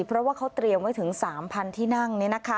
เพราะว่าเขาเตรียมไว้ถึง๓๐๐ที่นั่ง